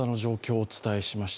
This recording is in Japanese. お伝えしました